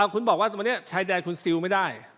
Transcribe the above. คุณบอกว่าแชร์แดนคุณซิลจิงไม่ได้